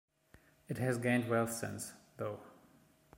It has gained wealth since, though.